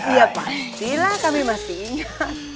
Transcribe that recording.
iya pasti lah kami masih inget